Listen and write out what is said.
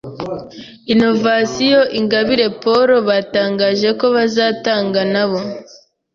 Inovasiyo Ingabire Paula batangaje ko bazatanga nabo